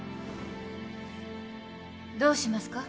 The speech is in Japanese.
どうしますか？